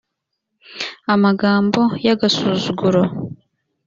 amagambo y agasuzuguro